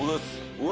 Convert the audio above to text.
うわ！